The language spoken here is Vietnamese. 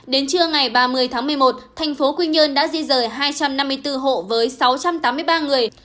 đến trưa ngày ba mươi tháng một mươi một thành phố quy nhơn đã di rời hai trăm năm mươi bốn hộ với sáu trăm tám mươi ba người